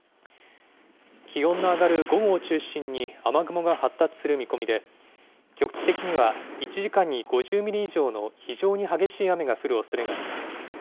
気温の上がる午後を中心に雨雲が発達する見込みで、局地的には１時間に５０ミリ以上の非常に激しい雨が降るおそれがあります。